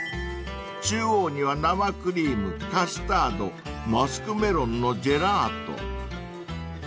［中央には生クリームカスタードマスクメロンのジェラート］